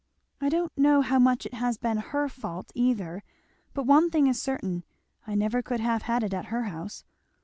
"I don't know how much it has been her fault either, but one thing is certain I never could have had it at her house.